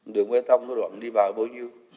đường bê tông có đoạn đi vào bao nhiêu